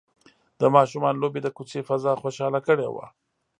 د ماشومانو لوبې د کوڅې فضا خوشحاله کړې وه.